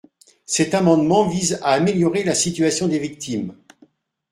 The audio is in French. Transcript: Cet amendement vise à améliorer la situation des victimes.